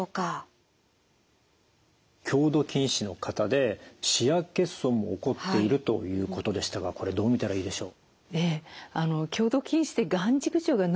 強度近視の方で視野欠損も起こっているということでしたがこれどう見たらいいでしょう？